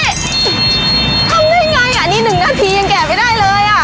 ทำได้ไงอ่ะนี่๑นาทียังแกะไม่ได้เลยอ่ะ